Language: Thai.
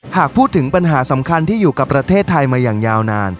หากพูดถึงปัญหาสำคัญที่อยู่กับประเทศไทยมาอย่างยาวนาน